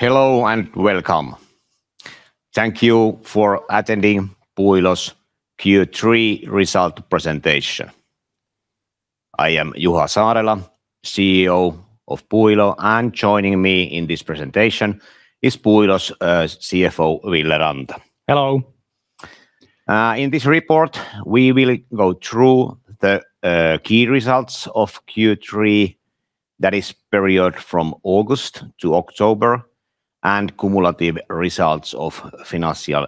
Hello and welcome. Thank you for attending Puuilo's Q3 result presentation. I am Juha Saarela, CEO of Puuilo and joining me in this presentation is Puuilo's CFO Ville Ranta. Hello. In this report we will go through the key results of Q3, i.e., period from August to October and cumulative results of. Financial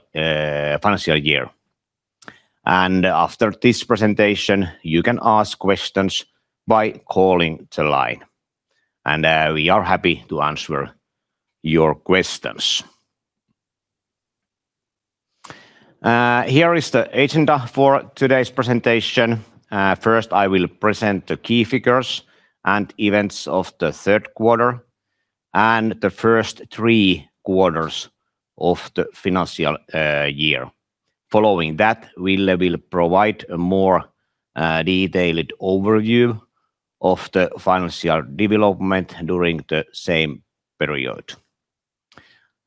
year. And after this presentation, you can ask questions by calling the line, and we are happy to answer your questions. Here is the agenda for today's presentation. First I will present the key figures and events of the third quarter and the first three quarters of the financial year. Following that we will provide a more detailed overview of the financial development during the same period.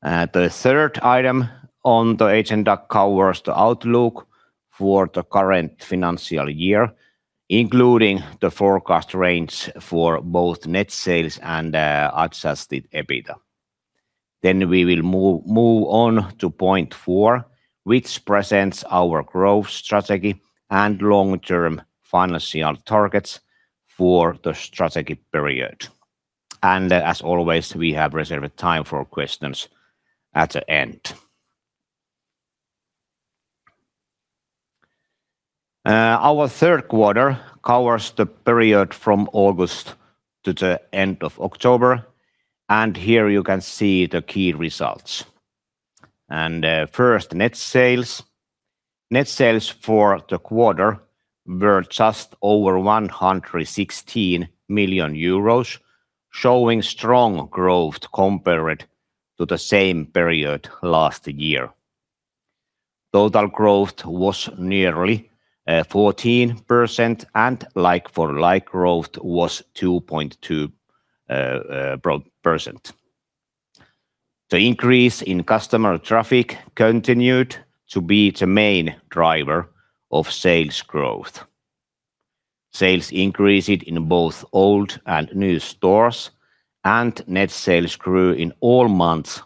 The third item on the agenda that covers the outlook for the current financial year including the forecast range for both net sales and adjusted EBITDA, then we will move on to point four which presents our growth strategy and long term financial targets for the strategic period and as always we have reserved time for questions at the end. Our third quarter covers the period from August to the end of October, and here you can see the key results and first net sales for the quarter were just over 116 million euros, showing strong growth compared to the same period last year. Total growth was nearly 14%, and like-for-like growth was 2.2%. The increase in customer traffic continued to be the main driver of sales growth. Sales increased in both old and new stores and net sales grew in all months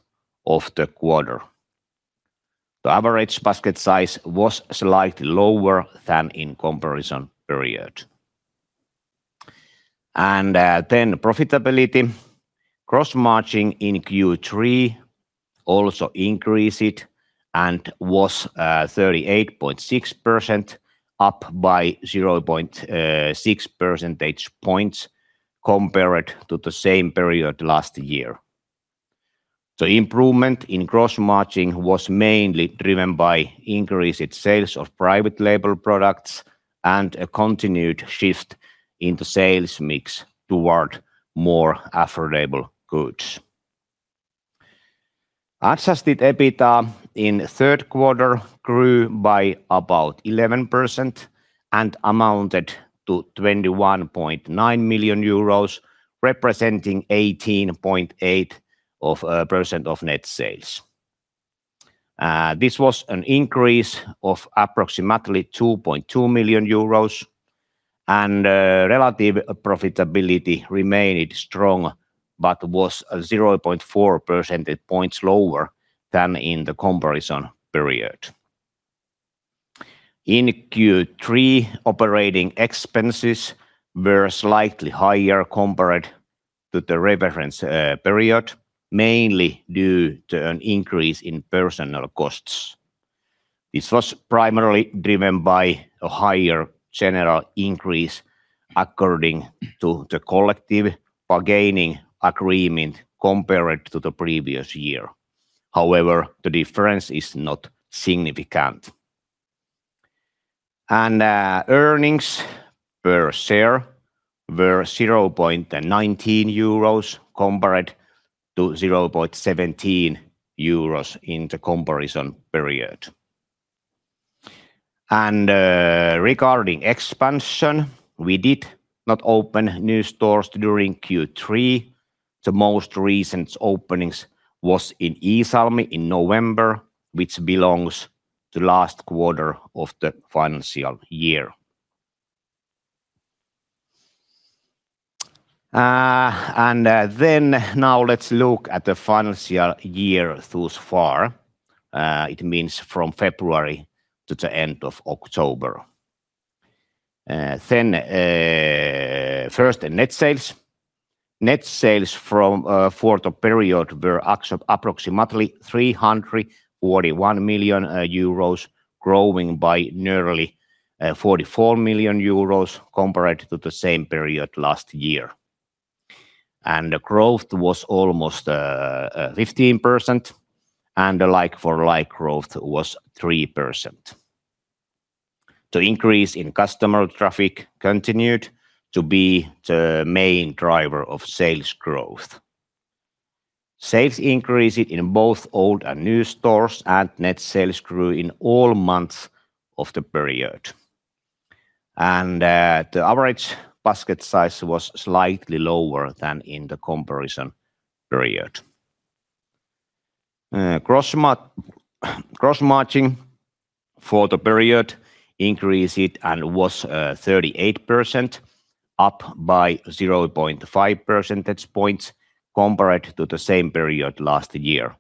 of the quarter. The average basket size was slightly lower than in comparison period. Profitability. Gross margin in Q3 also increased and was 38.6%, up by 0.6 percentage points compared to the same period last year. The improvement in gross margin was mainly driven by increased sales of private label products and a continued shift in the sales mix toward more affordable goods. Adjusted EBITDA in third quarter grew by about 11% and amounted to 21.9 million euros representing 18.8% of net sales. This was an increase of approximately 2.2 million euros and relative profitability remained strong but was 0.4 percentage points lower than in the comparison period. In Q3, operating expenses were slightly higher compared to the reference period, mainly due to an increase in personnel costs. This was primarily driven by a higher general increase according to the collective bargaining agreement compared to the previous year. However, the difference is not significant. Earnings per share were 0.19 euros compared to 0.17 euros in the comparison period. Regarding expansion, we did not open new stores during Q3. The most recent openings was in Iisalmi in November, which belongs to last quarter of the financial year. Now let's look at the financial year thus far. It means from February to the end of October. First, net sales. Net sales for the period were approximately 341 million euros, growing by nearly 44 million euros compared to the same period last year. The growth was almost 15%, and the like-for-like growth was 3%. The increase in customer traffic continued to be the main driver of sales growth. Sales increased in both old and new stores and net sales grew in all months of the period. The average basket size was slightly lower than in the comparison period. Gross margin for the period is increased and was 38% up by 0.5 percentage points compared to the same period last year.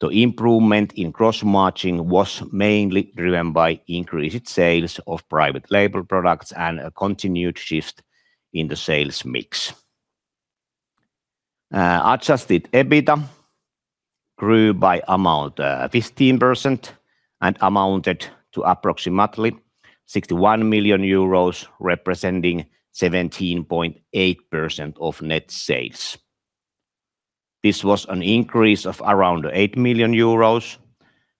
The improvement in gross margin was mainly driven by increased sales of private label products and a continued shift in the sales mix. Adjusted EBITDA grew by amount 15% and amounted to approximately 61 million euros representing 17.8% of net sales. This was an increase of around 8 million euros.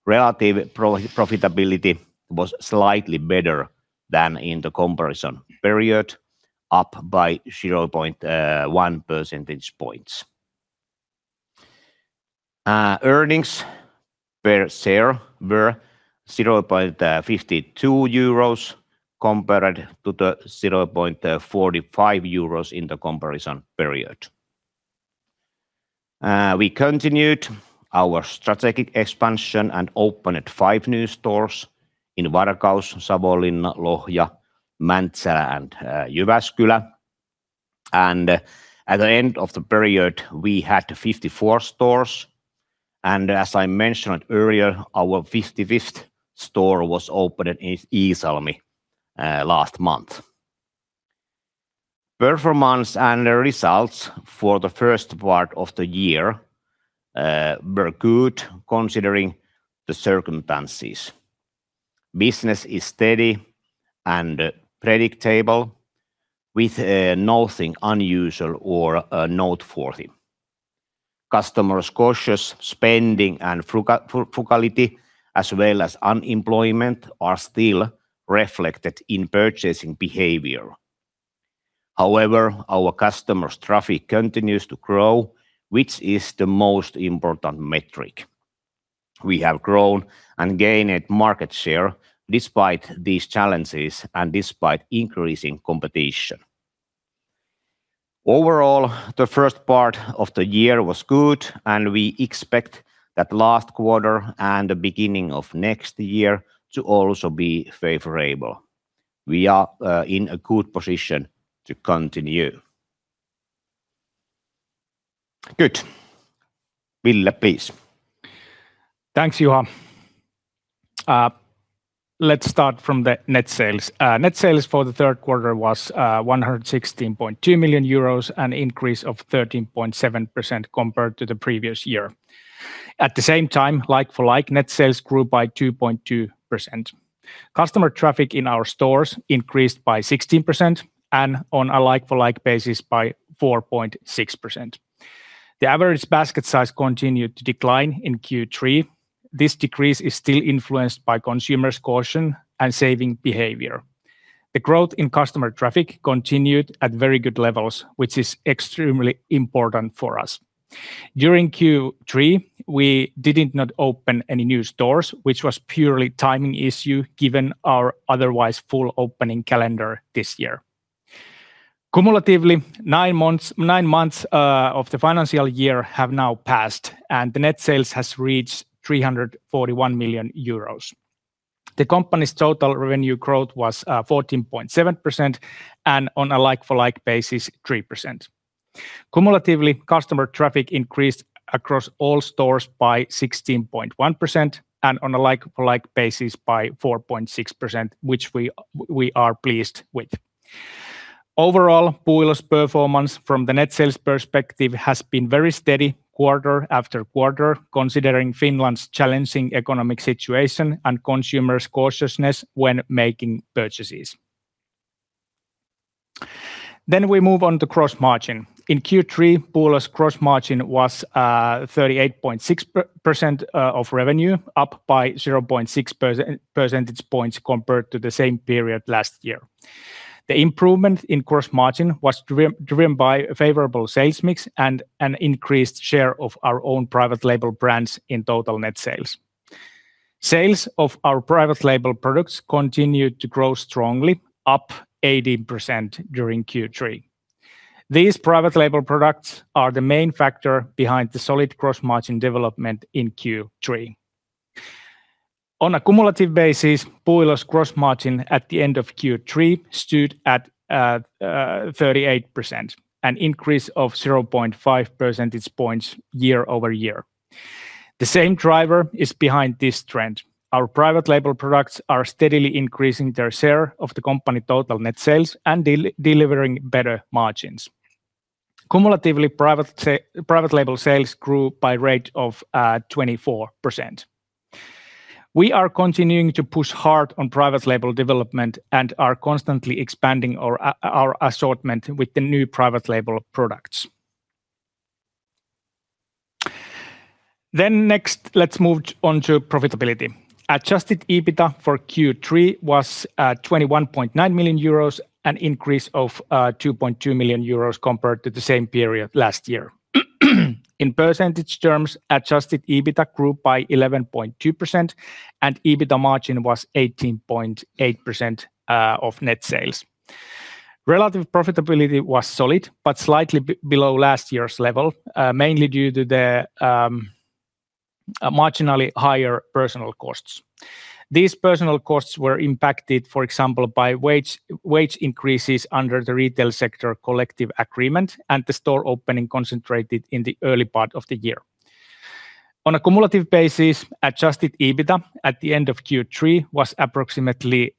Relative profitability was slightly better than in the comparison period, up by 0.1 percentage points. Earnings per share were 0.52 euros compared to the 0.45 euros in the comparison period. We continued our strategic expansion and opened five new stores in Varkaus, Savonlinna, Lohja, Mäntsälä and Jyväskylä, and at the end of the period we had 54 stores and as I mentioned earlier, our 55th store was opened in Iisalmi last month. Performance and results for the first part of the year were good considering the circumstances. Business is steady and predictable with nothing unusual or noteworthy. Customers' cautious spending and volatility as well as unemployment are still reflected in purchasing behavior. However, our customers' traffic continues to grow, which is the most important metric. We have grown and gained market share despite these challenges and despite increasing competition. Overall, the first part of the year was good and we expect at last quarter and the beginning of next year to all to be favorable. We are in the good position to continue. Good. Ville, please. Thanks Juha. Let's start from the net sales. Net sales for the third quarter was 116.2 million euros, an increase of 13.7% compared to the previous year. At the same time, like-for-like, net sales grew by 2.2%. Customer traffic in our stores increased by 16% and on a like-for-like basis by 4.6%. The average basket size continued to decline in Q3. This decrease is still influenced by consumers caution and saving behavior. The growth in customer traffic continued at very good levels, which is extremely important for us. During Q3 we did not open any new stores, which was purely timing issue given our otherwise full opening calendar this year. Cumulatively, nine months of the financial year have now passed and the net sales has reached 341 million euros. The company's total revenue growth was 14.7% and on a like-for-like basis 3%. Cumulatively, customer traffic increased across all stores by 16.1% and on a like-for-like basis by 4.6%, which we are pleased with. Overall, Puuilo's performance from the net sales perspective has been very steady quarter after quarter considering Finland's challenging economic situation and consumers' cautiousness when making purchases. Then we move on to gross margin in Q3. Puuilo's gross margin was 38.6% of revenue, up by 0.6 percentage points compared to the same period last year. The improvement in gross margin was driven by favorable sales mix and an increased share of our own private label brands in total net sales. Sales of our private label products continued to grow strongly up 18% during Q3. These private label products are the main factor behind the solid gross margin development in Q3. On a cumulative basis, Puuilo's gross margin at the end of Q3 stood at 38%, an increase of 0.5 percentage points year-over-year. The same driver is behind this trend. Our private label products are steadily increasing their share of the company total net sales and delivering better margins. Cumulatively, private label sales grew by rate of 24%. We are continuing to push hard on private label development and are constantly expanding our assortment with the new private label products. Then next let's move on to profitability. Adjusted EBITDA for Q3 was 21.9 million euros, an increase of 2.2 million euros compared to the same period last year. In percentage terms, adjusted EBITDA grew by 11.2% and EBITDA margin was 18.8% of net sales. Relative profitability was solid but slightly below last year's level, mainly due to the. Marginally higher personnel costs. These personnel costs were impacted, for example, by wage increases under the retail sector collective agreement and the store opening concentrated in the early part of the year. On a cumulative basis, adjusted EBITDA at the end of Q3 was approximately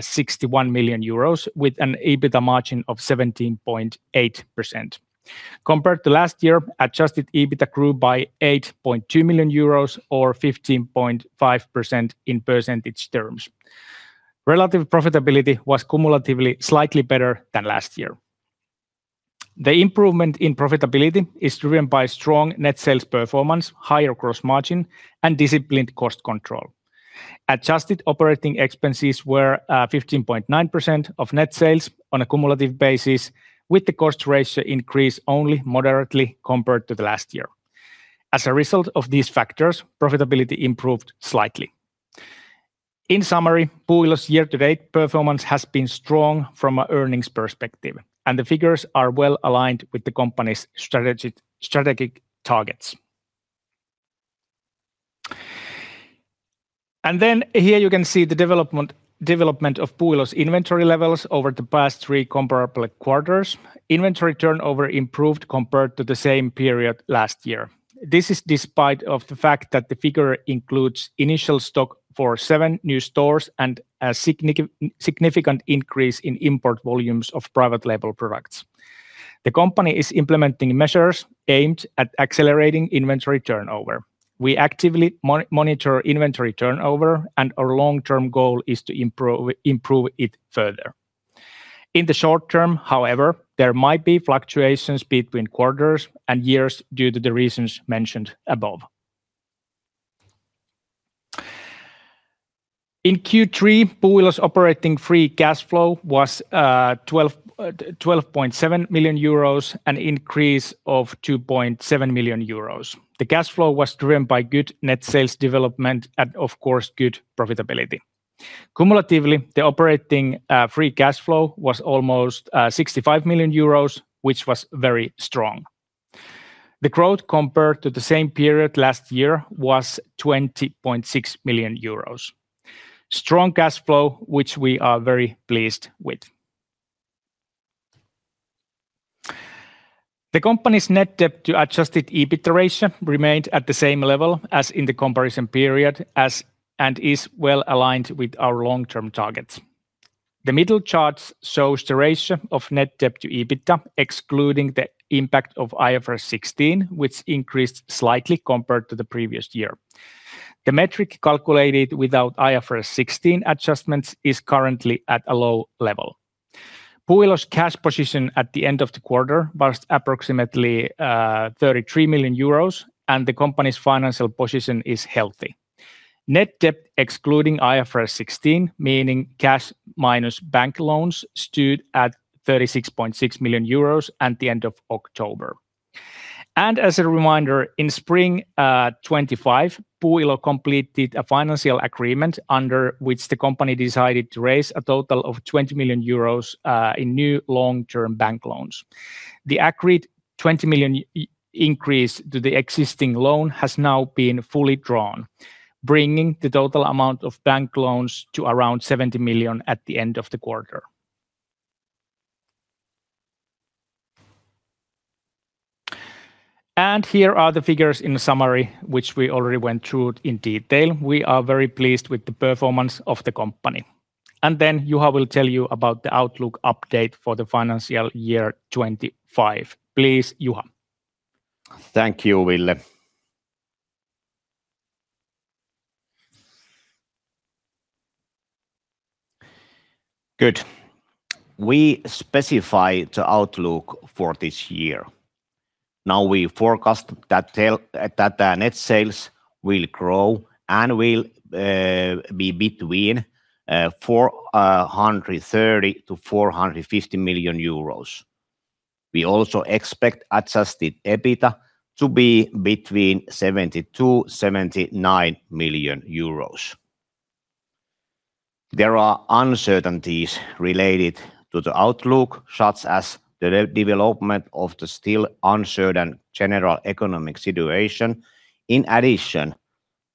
61 million euros with an EBITDA margin of 17.8%. Compared to last year, adjusted EBITDA grew by 8.2 million euros or 15.5%. In percentage terms, relative profitability was cumulatively slightly better than last year. The improvement in profitability is driven by strong net sales performance, higher gross margin and disciplined cost control. Adjusted operating expenses were 15.9% of net sales on a cumulative basis, with the cost ratio increase only moderately compared to the last year. As a result of these factors, profitability improved slightly. In summary, Puuilo's year to date performance has been strong from an earnings perspective and the figures are well aligned with the company's strategic targets. And then here you can see the development of Puuilo's inventory levels. Over the past three comparable quarters, inventory turnover improved compared to the same period last year. This is despite of the fact that the figure includes initial stock for seven new stores and a significant increase in import volumes of private label products. The company is implementing measures aimed at accelerating inventory turnover. We actively monitor inventory turnover and our long term goal is to improve it further in the short term. However, there might be fluctuations between quarters and years due to the reasons mentioned above. In Q3, Puuilo's operating free cash flow was 12.7 million euros, an increase of 2.7 million euros. The cash flow was driven by good net sales development and of course good profitability. Cumulatively, the operating free cash flow was almost 65 million euros, which was very strong. The growth compared to the same period last year was 20.6 million euros strong cash flow, which we are very pleased with. The company's net debt to adjusted EBITDA ratio remained at the same level as in the comparison period and is well aligned with our long term targets. The middle chart shows the ratio of net debt to EBITDA i.e. excluding the impact of IFRS 16, which increased slightly compared to the previous year. The metric calculated without IFRS 16 adjustments is currently at a low level. Puuilo's cash position at the end of the quarter was approximately 33 million euros and the company's financial position is healthy. Net debt excluding IFRS 16, meaning cash minus bank loans, stood at 36.6 million euros at the end of October. And as a reminder, in spring 2025 Puuilo completed a financial agreement under which the company decided to raise a total of 20 million euros in new long term bank loans. The agreed 20 million increase to the existing loan has now been fully drawn, bringing the total amount of bank loans to around 70 million at the end of the quarter. And here are the figures in summary, which we already went through in detail. We are very pleased with the performance of the company, and then Juha will tell you about the outlook update for the financial year 2025. Please, Juha. Thank you, Ville. Good. We specify the outlook for this year. Now we forecast that net sales will grow and will be between 430 million-450 million euros. We also expect Adjusted EBITDA to be between 72 million-79 million euros. There are uncertainties related to the outlook such as the development of the still uncertain general economic situation in addition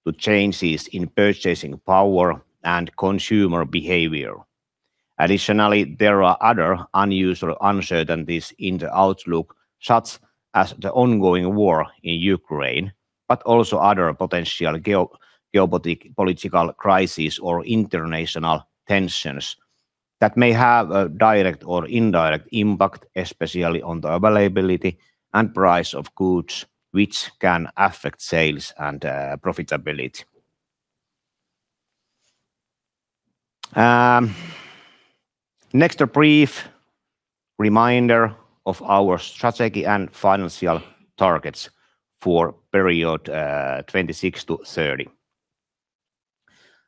to changes in purchasing power and consumer behavior. Additionally, there are other unusual uncertainties in the outlook, such as the ongoing war in Ukraine, but also other potential geopolitical crises or international tensions that may have a direct or indirect impact, especially on the availability and price of goods which can affect sales and profitability. Next, a brief reminder of our strategy and financial targets for period 2026-2030.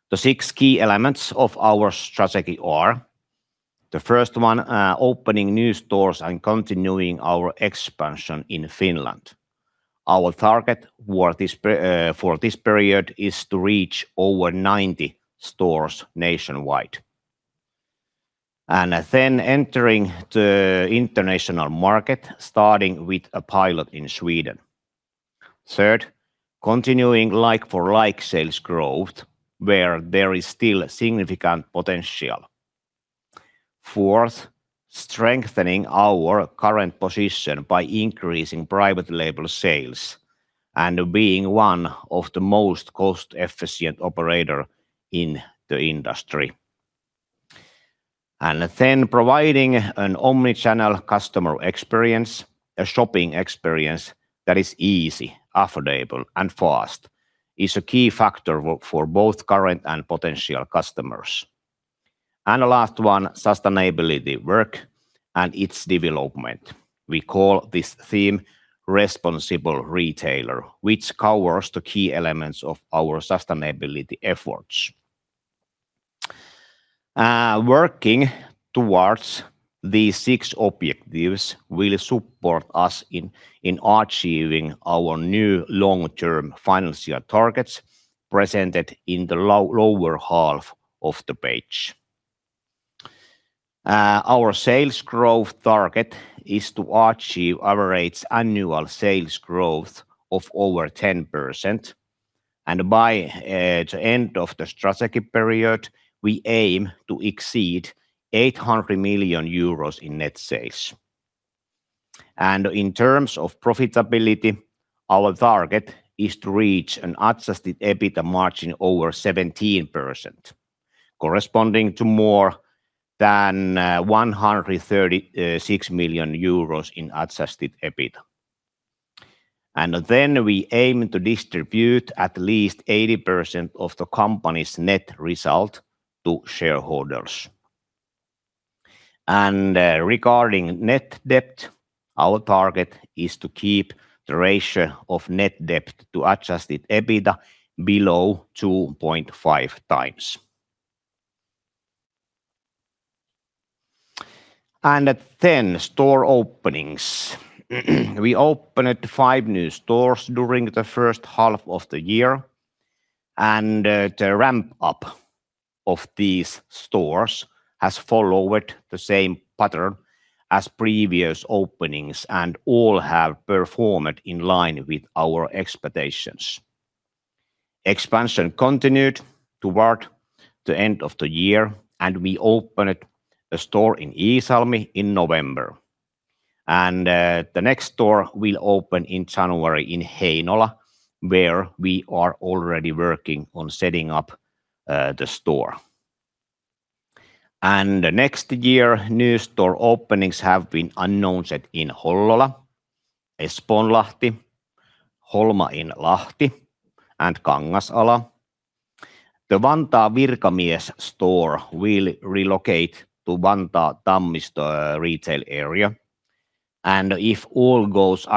The six key elements of our strategy are the first one opening new stores and continuing our expansion in Finland. Our target for this period is to reach over 90 stores nationwide. And then entering the international market starting with a pilot in Sweden. Third, continuing like-for-like sales growth where there is still significant potential. Fourth, strengthening our current position by increasing private label sales and being one of the most cost-efficient operator in the industry. And then, providing an omnichannel customer experience. A shopping experience that is easy, affordable and fast is a key factor for both current and potential customers, and the last one, sustainability work and its development. We call this theme responsible retailer, which covers the key elements of our sustainability efforts. Working towards these six objectives will support us in achieving our new long-term financial targets presented in the lower half of the page. Our sales growth target is to achieve average annual sales growth of over 10% and by the end of the strategy period we aim to exceed 800 million euros in net sales and in terms of profitability our target is to reach an adjusted EBITDA margin over 17% corresponding to more than 136 million euros in adjusted EBITDA, and then we aim to distribute at least 80% of the company's net result to shareholders. Regarding Net debt, our target is to keep the ratio of Net debt to Adjusted EBITDA below 2.5x. And then, store openings. We opened five new stores during the first half of the year, and the ramp up of these stores has followed the same pattern as previous openings, and all have performed in line with other expectations. Expansion continued toward the end of the year, and we opened a store in Iisalmi in November, and the next store will open in January in Heinola, where we are already working on setting up the store. Next year new store openings have been announced at Ii, Hollola, Espoonlahti, Lahti, Holma in Lahti and Kangasala. The Vantaa Virkatie store will relocate to Vantaa Tammisto retail area. And if all. Goes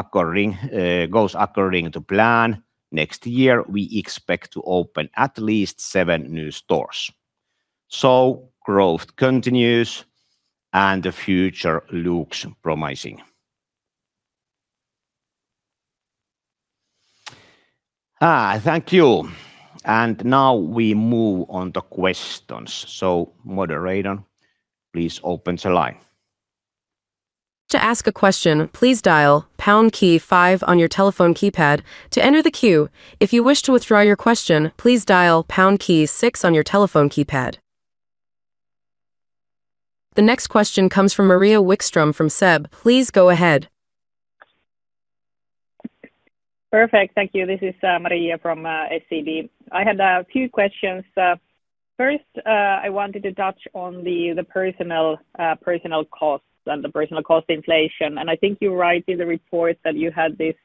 according to plan, next year we expect to open at least seven new stores, so growth continues and the future looks promising. Ah, thank you. And now we move on to questions. So moderator, please open the line. To ask a question. Please dial pound key on your telephone keypad to enter the queue. If you wish to withdraw your question, please dial pound key six on your telephone keypad. The next question comes from Maria Wikström from SEB. Please go ahead. Perfect, thank you. This is Maria from SEB. I had a few questions. First I wanted to touch on the personnel costs and the personnel cost inflation, and I think you write in the report that you had this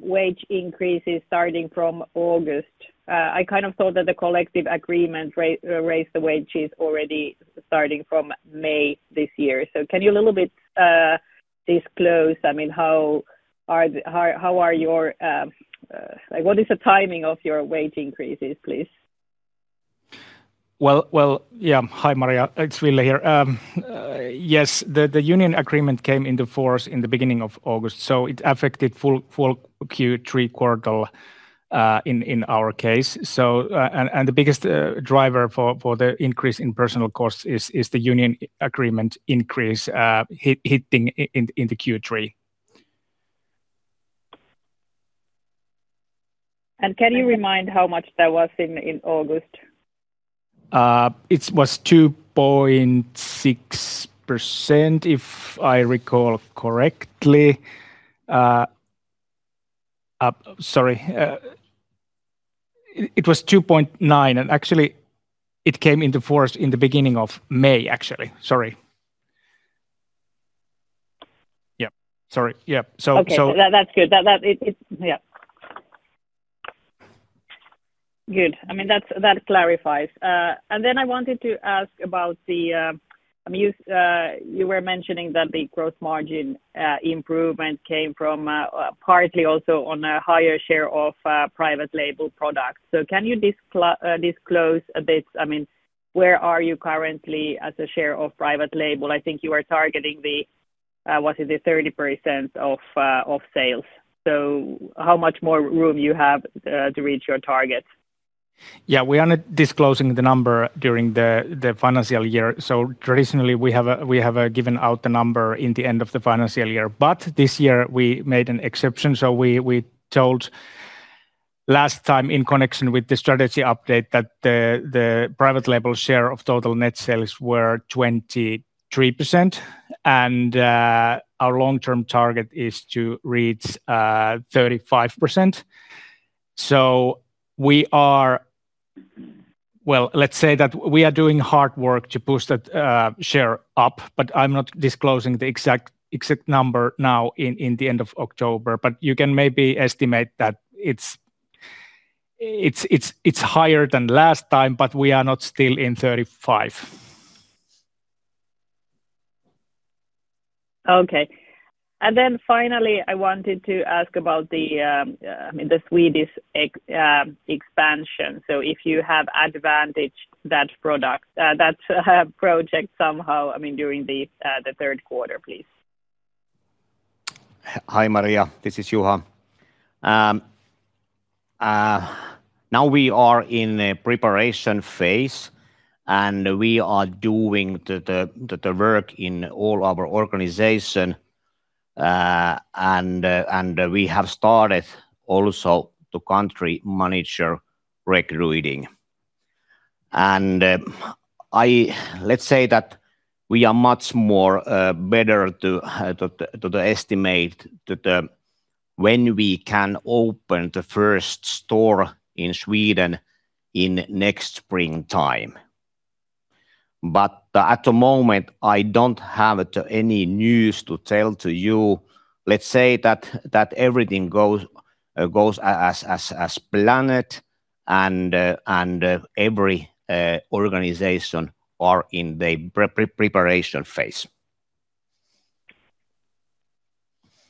wage increases starting from August. I kind of thought that the collective agreement raised the wages already starting from May this year, so can you a little bit disclose, I mean how are your. What is the timing of your wage increases please? Yeah, hi Maria, it's Ville here. Yes, the union agreement came into force in the beginning of August so it affected full Q3 quarter in our case, and the biggest driver for the increase in personnel costs is the union agreement increase hitting in the Q3. Can you remind how much that was in August? It was 2.6% if I recall correctly. Sorry. It was 2.9% and actually it came into force in the beginning of May, actually. Sorry. Yeah, sorry. Yeah, so that's good. Yeah. Good. I mean, that clarifies, and then I wanted to ask about the. I mean, you were mentioning that the gross margin improvement came from partly also on a higher share of private label products, so can you disclose a bit? I mean, where are you currently as a share of private label? I think you are targeting the. What is the 30% of sales? So, how much more room you have to reach your target? Yeah, we are not disclosing the number during the financial year. So traditionally we have given out the number in the end of the financial year, but this year we made an exception. So we told last time in connection with the strategy update that the private label share of total net sales were 23% and our long term target is to reach 35%. So we are. Well, let's say that we are doing hard work to push that share up. But I'm not disclosing the exact, exact number now in the end of October, but you can maybe estimate that. It's higher than last time, but we are not still in 35%. Okay. And then finally, I wanted to ask about the Swedish expansion. So if you have any update on that project somehow, I mean during the third quarter, please. Hi Maria, this is Juha. Now we are in a preparation phase and we are doing the work in all our organization. And we have started also the country manager recruiting, and I let's say that we are much more better to estimate when we can open the first store in Sweden in next springtime. But at the moment I don't have any news to tell to you. Let's say that everything goes as planned and every organization are in the preparation phase.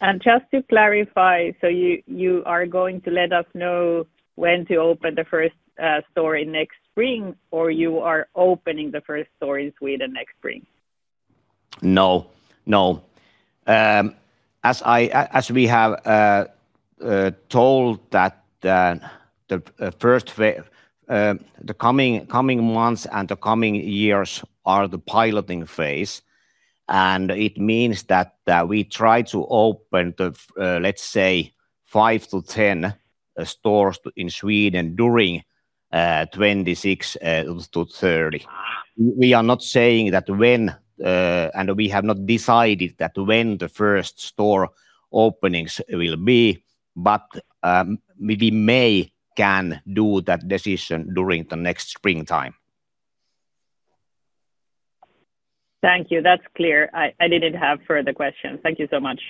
And just to clarify, so you are going to let us know when to open the first store in next spring or you are opening the first store in Sweden next spring? No, no. As we have. That the coming months and the coming years are the piloting phase and it means that we try to open let's say five to 10 stores in Sweden during 2026-2030. We are not saying that when and we have not decided that when the first store openings will be, but we may can do that decision during the next springtime. Thank you. That's clear. I didn't have further questions. Thank you so much.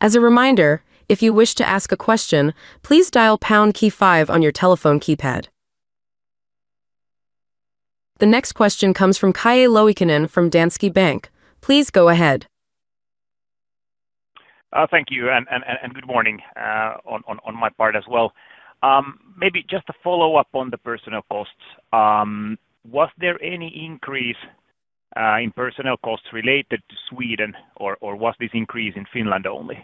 As a reminder, if you wish to ask a question, please dial pound key five on your telephone keypad. The next question comes from Calle Loikkanen from Danske Bank. Please go ahead. Thank you and good morning on my part as well. Maybe just a follow-up on the personnel costs. Was there any increase in personnel costs related to Sweden or was this increase in Finland only?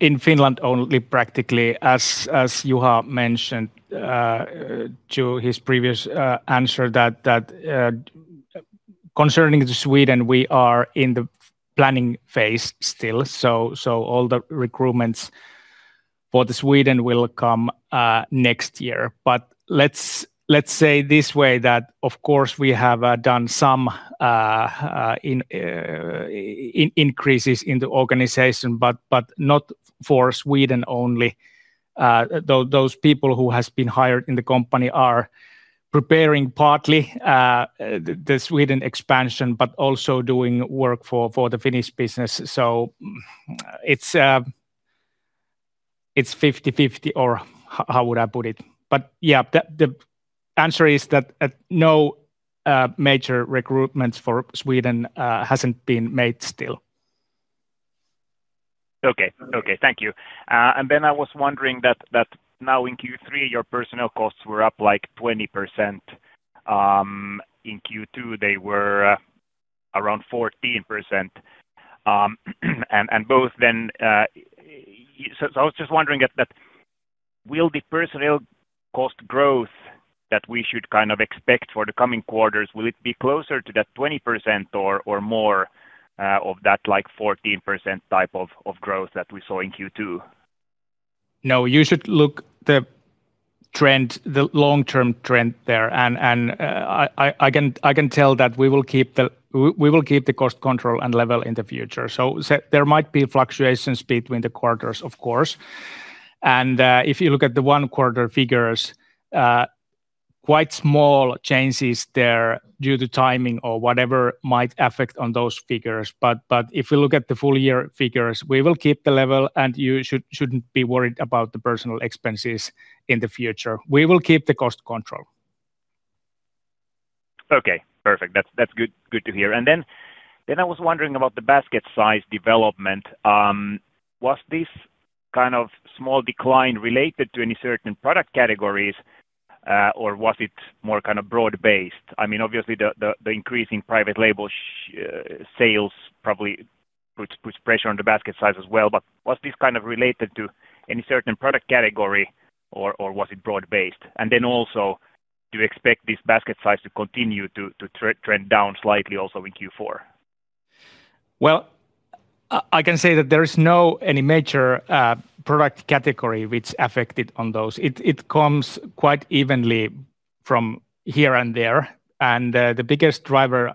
In Finland only, practically. As Juha mentioned in his previous answer that. Concerning the Sweden, we are in the planning phase still. So all the recruitments for the Sweden will come next year. But let's say this way that of course we have done some. Increases in the organization, but not for Sweden only, though those people who has been hired in the company are preparing partly the Sweden expansion, but also doing work for the Finnish business. So. It's 50/50 or how would I put it? But yeah, the answer is that no major recruitment for Sweden hasn't been made still. Okay, okay, thank you. And then I was wondering that now in Q3 your personnel costs were up like 20%. In Q2 they were around 14%. And both then. So I was just wondering that will the personnel cost growth that we should kind of expect for the coming quarters, will it be closer to that 20% or more of that like 14% type of growth that we saw in Q2? No, you should look at the trend, the long-term trend there, and I can tell that we will keep the cost control and level in the future. So there might be fluctuations between the quarters, of course, and if you look at the one quarter figures. Quite small changes there due to timing or whatever might affect on those figures. But if we look at the full year figures, we will keep the level. And you shouldn't be worried about the personnel expenses in the future. We will keep the cost control. Okay, perfect. That's good to hear. And then I was wondering about the basket size development. Was this kind of small decline related to any certain product categories or was it more kind of broad based? I mean, obviously the increasing private label sales probably puts pressure on the basket size as well. But was this kind of related to any certain product category or was it broad based? And then also do you expect this basket size to continue to trend down slightly also in Q4? Well, I can say that there is no any major product category which affected on those. It comes quite evenly from here and there. And the biggest driver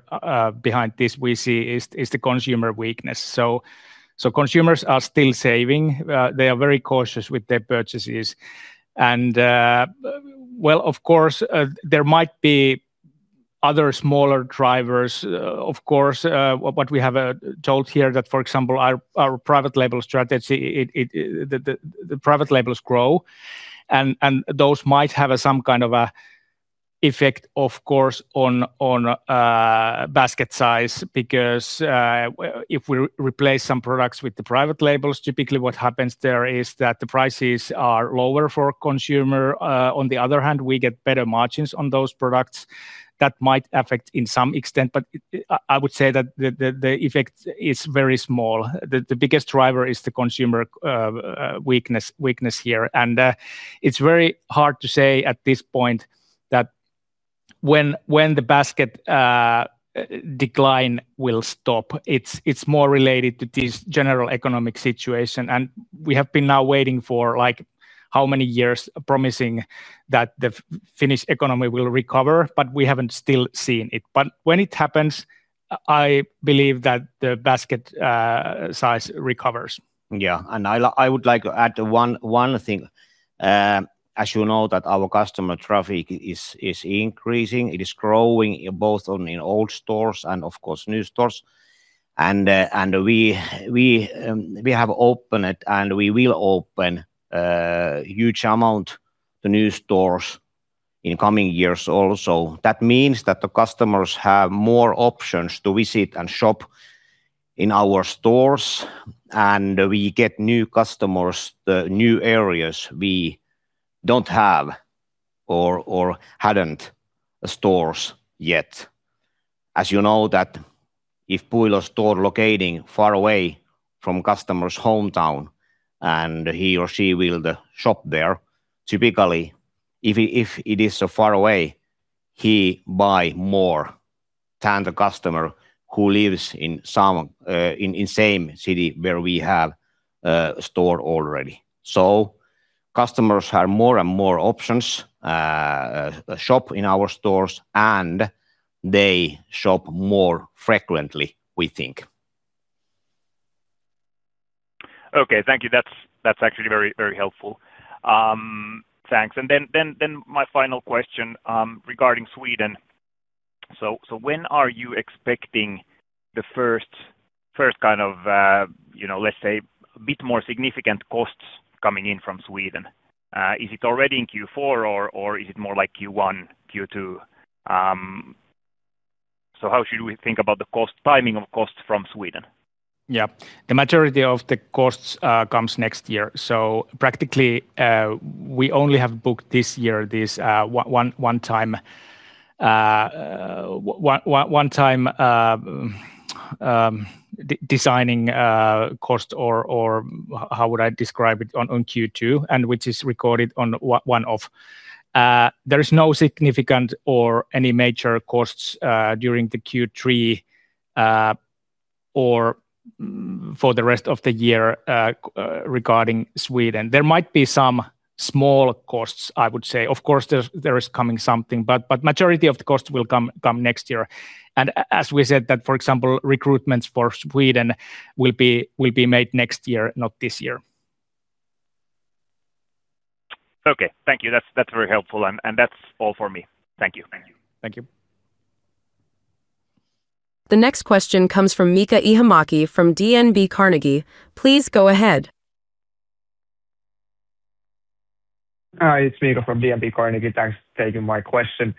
behind this we see is the consumer weakness. So consumers are still saving, they are very cautious with their purchases. And well, of course there might be other smaller drivers. Of course what we have told here that for example our private label strategy, the private labels grow and those might have some kind of an effect of course on basket size. Because if we replace some products with the private labels, typically what happens there is that the prices are lower for consumer. On the other hand we get better margins on those products. That might affect in some extent. But I would say that the effect is very small. The biggest driver is the consumer weakness here. It's very hard to say at this point that when the basket decline will stop. It's more related to this general economic situation. We have been now waiting for like how many years promising that the Finnish economy will recover, but we haven't still seen it. When it happens, I believe that the basket size recovers. Yeah. And I would like to add one thing. As you know that our customer traffic is increasing. It is growing both in old stores and of course new stores. And we have opened it and we will open huge amount of new stores in coming years. Also that means that the customers have more options to visit and shop in our stores and we get new customers. The new areas we don't have or hadn't stores yet. As you know that if Puuilo store locating far away from customer's hometown and he or she will shop there. Typically if it is so far away, he buy more than the customer who lives in same city where we have store already, so customers have more and more options shop in our stores and they shop more frequently we think. Okay, thank you, that's actually very helpful, thanks, and then my final question regarding Sweden. So when are you expecting the first kind of, let's say, bit more significant costs coming in from Sweden? Is it already in Q4 or is it more like Q1? Q2? How should we think about the timing of cost from Sweden? Yeah, the majority of the costs comes next year. So practically we only have booked this year this one time. One time. Designing cost, or how would I describe it on Q2, and which is recorded as one-off. There is no significant or any major costs during the Q3 or for the rest of the year. Regarding Sweden, there might be some small costs. I would say of course there is coming something, but majority of the cost will come next year. And as we said that for example, recruitments for Sweden will be made next year, not this year. Okay, thank you, that's very helpful. And that's all for me. Thank you. Thank you. The next question comes from Miika Ihamäki from DNB Carnegie. Please go ahead. Hi, it's Miikka from DNB Carnegie. Thanks for taking my question.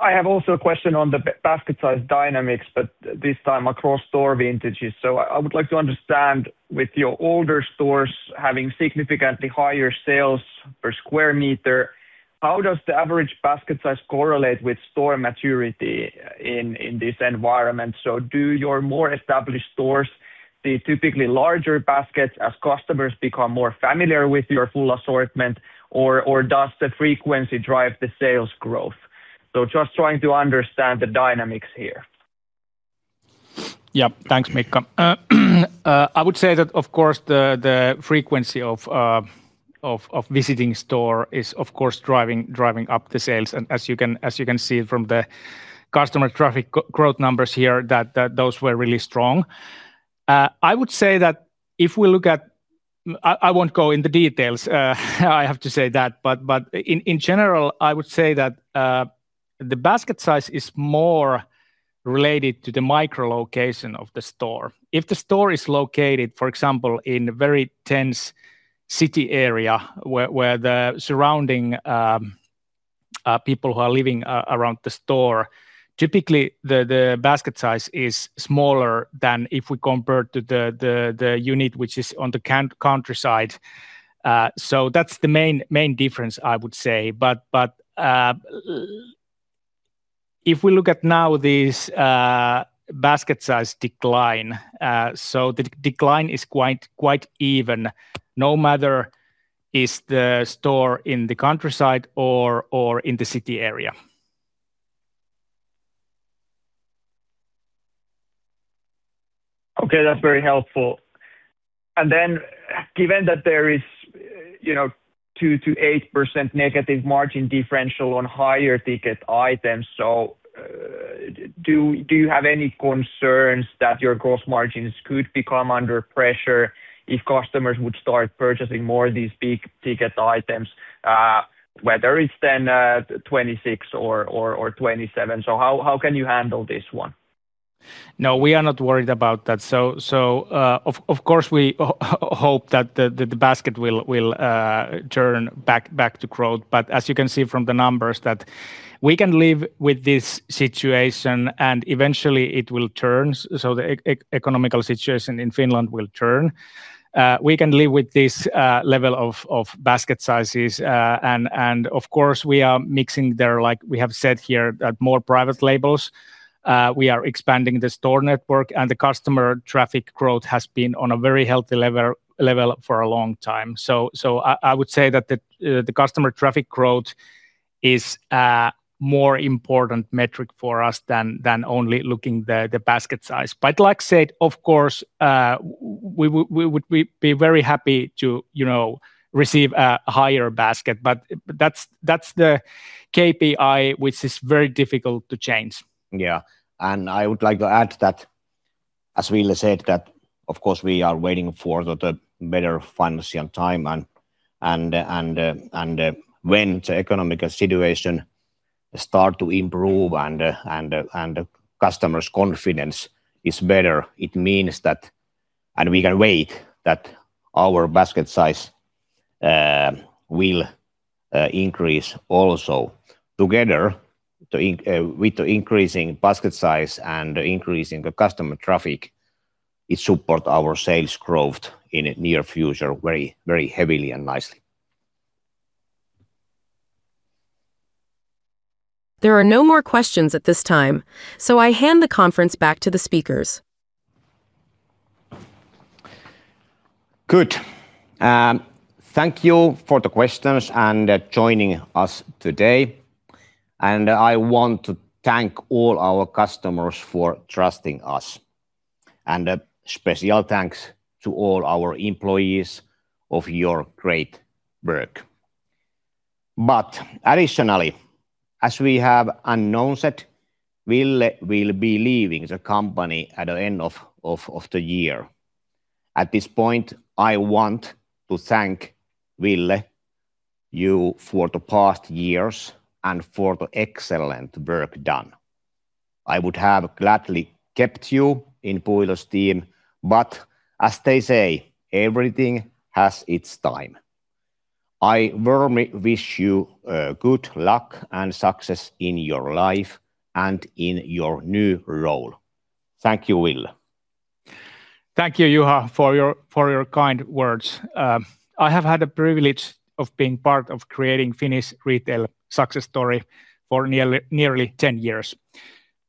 I have also a question on the basket size dynamics, but this time across store vintages. So I would like to understand with your older stores having significantly higher sales per square meter, how does the average basket size correlate with store maturity in this environment? So do your more established stores, the typically larger baskets as customers become more familiar with your full assortment or does the frequency drive the sales growth? So just trying to understand the dynamics here. Yeah, thanks Miika. I would say that of course the frequency of visiting store is of course driving up the sales and as you can see from the customer traffic growth numbers here that those were really strong. I would say that if we look at. I won't go into details, I have to say that. But in general I would say that the basket size is more related to the micro location of the store. If the store is located for example in a very dense city area where the surrounding. People who are living around the store, typically the basket size is smaller than if we compare to the unit which is on the countryside. So that's the main difference I would say. But, if we look at now these basket size decline, so the decline is quite even. No matter is the store in the countryside or in the city area. Okay, that's very helpful. And then given that there is, you know, 2%-8% negative margin differential on higher ticket items. So. Do you have any concerns that your gross margins could become under pressure if customers would start purchasing more of these big ticket items, whether it's then 2026 or 2027? So how can you handle this one? No, we are not worried about that. So, so of course we hope that the basket will turn back to growth. But as you can see from the numbers that we can live with this situation and eventually it will turn. So the economic situation in Finland will turn. We can live with this level of basket sizes and of course we are mixing there. Like we have said here adding more private labels, we are expanding the store network and the customer traffic growth has been on a very healthy level for a long time. So I would say that the customer traffic growth is more important metric for us than only looking the basket size. But like I said, of course we would be very happy to receive a higher basket. But that's the KPI which is very difficult to change. Yeah, and I would like to add that as Ville said that of course we are waiting for the better financial time. When the economic situation starts to improve and customer confidence is better, it means that we can expect that our basket size. Will increase. Also, together with the increasing basket size and increasing the customer traffic, it support our sales growth in near future very, very heavily and nice. There are no more questions at this time, so I hand the conference back to the speakers. Good. Thank you for the questions and joining us today and I want to thank all our customers for trusting us and a special thanks to all our employees for your great. But additionally, as we have announced. Ville will be leaving the company at the end of the year. At this point I want to thank Ville you for the past years and for the excellent work done. I would have gladly kept you in Puuilo's team, but as they say, everything has its time. I warmly wish you good luck and success in your life and in your new role. Thank you Ville. Thank you Juha for your kind words. I have had the privilege of being part of creating Finnish retail success story for nearly 10 years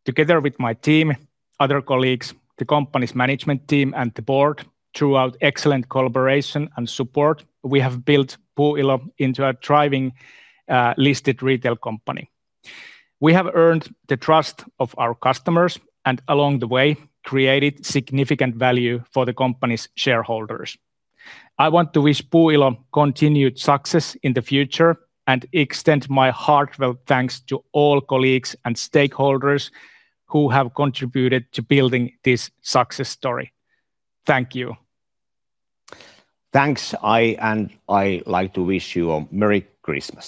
together with my team, other colleagues, the company's management team and the board. Throughout excellent collaboration and support, we have built Puuilo into a thriving listed retail company. We have earned the trust of our customers and along the way created significant value for the company's shareholders. I want to wish Puuilo continued success in the future and extend my heartfelt thanks to all colleagues and stakeholders and who have contributed to building this success story. Thank you. Thanks, I, and I like to wish you a Merry Christmas.